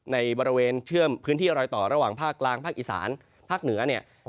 ในบริเวณเชื่อมพื้นที่รอยต่อระหว่างภาคกลางภาคอีสานภาคเหนือเนี่ย